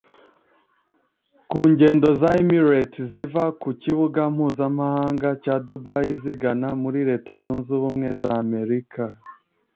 ku ngendo za Emirates ziva ku kibuga mpuzamahanga cya Dubai zigana muri Leta Zunze Ubumwe za Amerika